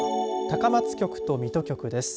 高松局と水戸局です。